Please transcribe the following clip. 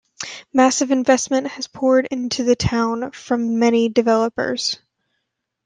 Massive investment has poured into the town from many developers.